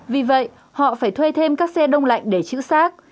vì vậy họ phải thuê thêm các xe đông lạnh để chữ xác